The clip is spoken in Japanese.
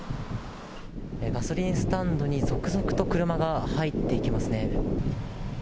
ガソリンスタンドに続々と車が入っていきますね。